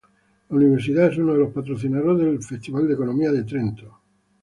La universidad es uno de los patrocinadores del Festival de Economía de Trento.